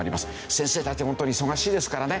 先生たちホントに忙しいですからね。